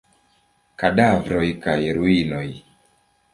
Kadavroj kaj ruinoj.